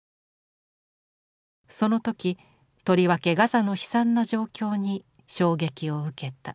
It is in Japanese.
そのときとりわけガザの悲惨な状況に衝撃を受けた。